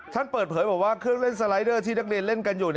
ท่านเปิดเผยบอกว่าเครื่องเล่นสไลเดอร์ที่นักเรียนเล่นกันอยู่